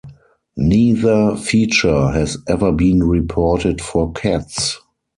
Neither feature has ever been reported for cats.